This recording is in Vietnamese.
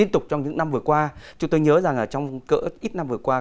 trong những năm vừa qua chúng tôi nhớ rằng là trong cỡ ít năm vừa qua